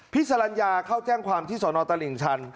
พิสารัญยาเข้าแจ้งความที่สตลอดตริงชัน